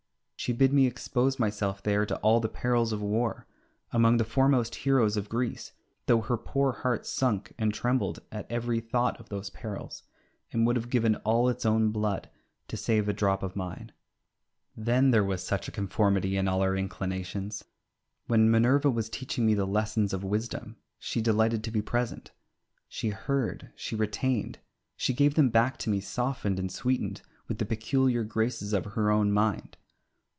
She bid me expose myself there to all the perils of war among the foremost heroes of Greece, though her poor heart sunk and trembled at every thought of those perils, and would have given all its own blood to save a drop of mine. Then there was such a conformity in all our inclinations! When Minerva was teaching me the lessons of wisdom she delighted to be present. She heard, she retained, she gave them back to me softened and sweetened with the peculiar graces of her own mind.